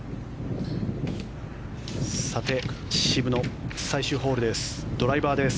さて、渋野最終ホールです。